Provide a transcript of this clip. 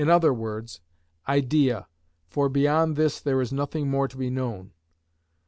_, idea, for beyond this there is nothing more to be known.